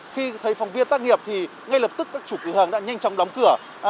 khi thấy phòng viên tác nghiệp thì ngay lập tức các chủ cửa hàng đã nhanh chóng đóng cửa